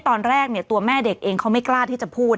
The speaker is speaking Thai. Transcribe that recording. ตอนแรกตัวแม่เด็กเองเขาไม่กล้าที่จะพูด